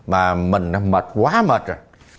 mà mình mệt quá mệt rồi